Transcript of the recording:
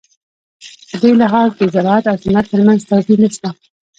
په دې لحاظ د زراعت او صنعت ترمنځ توپیر نشته.